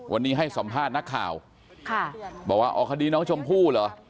วันนี้ให้สัมภาษณ์นักข่าวบอกว่าอ๋อคดีน้องชมพู่เหรอ